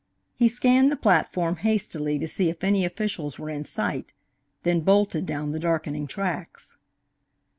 He scanned the platform hastily to see if any officials were in sight, then bolted down the darkening tracks.